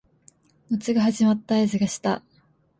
夏が始まった合図がした